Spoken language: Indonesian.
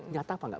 nyata apa enggak